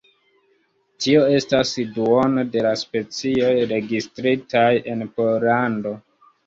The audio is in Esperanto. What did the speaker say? Tio estas duono de la specioj registritaj en Pollando.